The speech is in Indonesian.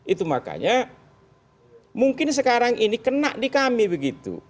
itu makanya mungkin sekarang ini kena di kami begitu